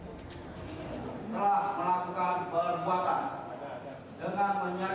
menyelesaikan perbuatan dengan menyiarkan berita atau perwisataan bohong dengan sengaja menerbitkan konaran di kalangan rakyat